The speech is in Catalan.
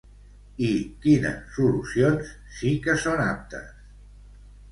I quines solucions sí que són aptes?